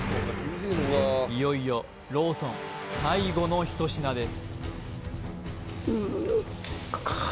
いよいよローソン最後の１品です